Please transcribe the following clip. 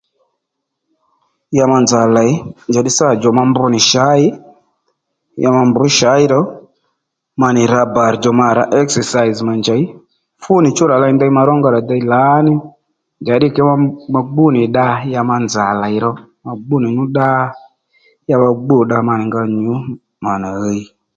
Ya ma nzà lèy njàddí sǎ djò ma mbr nì shǎyi ya ma mbr shǎyi ro ma nì rǎ bàr djò exasis mà njèy fúnì chú rà ley ndey ma rónga rà dey lǎní njǎddǐ kě ma gbú nì dda ya ma nzà lèy ro ma gbúnì nú dda ya ma gbû dda ma nì nga nyǔ ma nì ɦiy